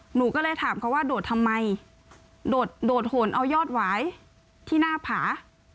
หนูก็เลยถามเขาว่าโดดทำไมโดดโดดหนเอายอดหวายที่หน้าผา